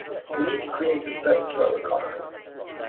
We need to create a circular economy.